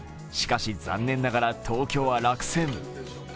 しかし残念ながら東京は落選。